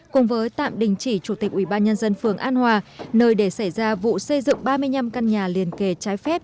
cùng với tạm đình chỉ chủ tịch ubnd phường an hòa nơi để xảy ra vụ xây dựng ba mươi năm căn nhà liền kề trái phép